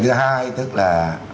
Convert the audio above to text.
thứ hai tức là